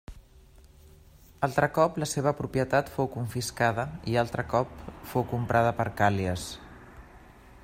Altre cop la seva propietat fou confiscada i altre cop fou comprada per Càl·lies.